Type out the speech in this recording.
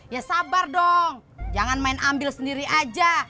ya sabar dong jangan main ambil sendiri aja